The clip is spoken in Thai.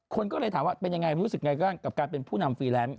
คนก็เลยถามว่าเป็นยังไงรู้สึกไงบ้างกับการเป็นผู้นำฟรีแลนซ์